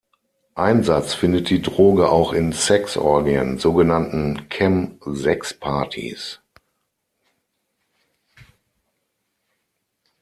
Einsatz findet die Droge auch in Sex-Orgien, sogenannten „Chem-Sexpartys“.